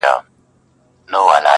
نور څه نه وای چي هر څه وای!.